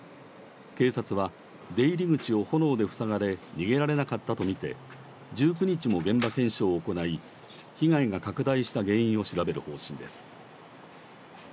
警察は出入り口を炎で塞がれ逃げられなかったとみて１９日も現場検証を行い被害が拡大した原因を調べる方針です。